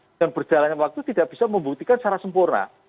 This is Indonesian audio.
dan berjalannya waktu tidak bisa membuktikan secara sempurna